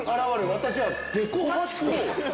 私はデコハチ公」。